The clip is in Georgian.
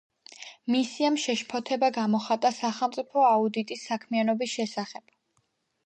მისიამ შეშფოთება გამოხატა სახელმწიფო აუდიტის საქმიანობის შესახებაც.